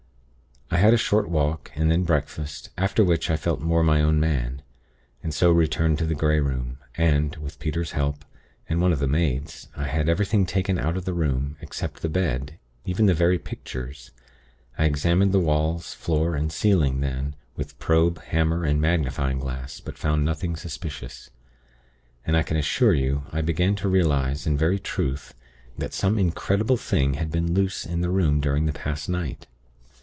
"I had a short walk, and then breakfast; after which I felt more my own man, and so returned to the Grey Room, and, with Peter's help, and one of the maids, I had everything taken out of the room, except the bed even the very pictures. I examined the walls, floor and ceiling then, with probe, hammer and magnifying glass; but found nothing suspicious. And I can assure you, I began to realize, in very truth, that some incredible thing had been loose in the room during the past night.